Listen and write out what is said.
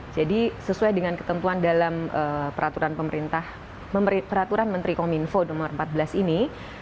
jadi sesuai dengan ketentuan dalam peraturan pemerintah peraturan menteri kominfo nomor empat belas ini